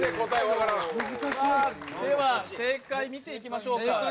正解見ていきましょうか。